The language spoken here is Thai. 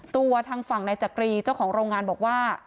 ตัวทางฝั่งนายจักรีเจ้าของโรงงานบอกว่า